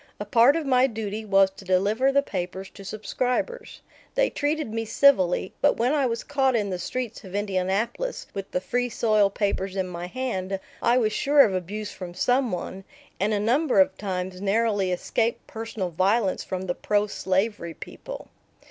A part of my duty was to deliver the papers to subscribers. They treated me civilly, but when I was caught in the streets of Indianapolis with the Free Soil papers in my hand I was sure of abuse from some one, and a number of times narrowly escaped personal violence from the pro slavery people.